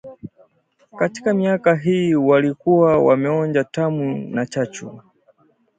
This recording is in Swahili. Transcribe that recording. Katika miaka hii walikuwa wameonja tamu na chachu